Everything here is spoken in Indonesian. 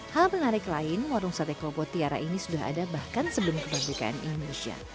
hal menarik lain warung sate klopo tiara ini sudah ada bahkan sebelum keperbukaan indonesia